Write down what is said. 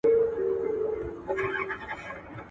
اوبه چي تر سر تيري سي، څه يوه نېزه څه سل.